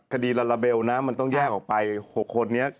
ลาลาเบลนะมันต้องแยกออกไป๖คนนี้